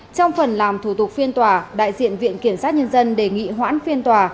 trong phần làm thủ tục phiên tòa đại diện viện kiểm sát nhân dân đề nghị hoãn phiên tòa